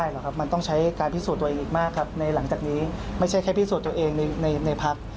หลังจากนี้ไม่ใช่แค่พิสูจน์ตัวเองในพัก